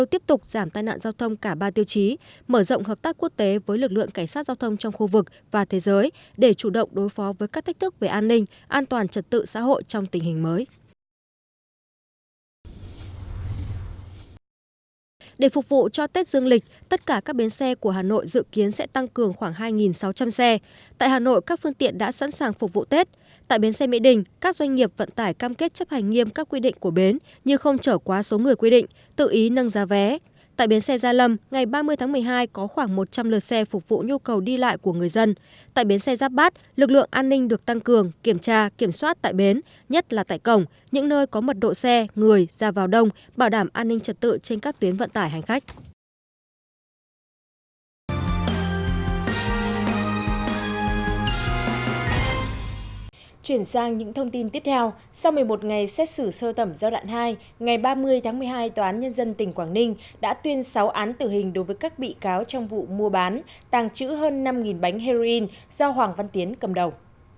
tiếp theo sau một mươi một ngày xét xử sơ tẩm giao đoạn hai ngày ba mươi tháng một mươi hai tòa án nhân dân tỉnh quảng ninh đã tuyên sáu án tử hình đối với các bị cáo trong vụ mua bán tàng trữ hơn năm bánh heroin do hoàng văn tiến cầm đầu